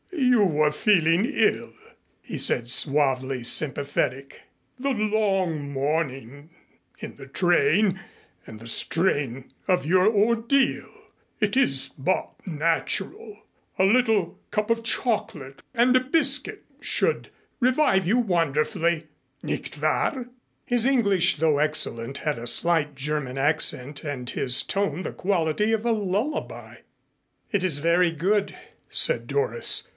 "You were feeling ill," he said, suavely sympathetic. "The long morning in the train and the strain of your ordeal. It is but natural. A little cup of chocolate and a biscuit should revive you wonderfully. Nicht wahr?" His English, though excellent, had a slight German accent and his tone the quality of a lullaby, "It is very good," said Doris.